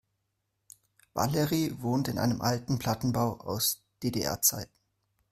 Valerie wohnt in einem alten Plattenbau aus DDR-Zeiten.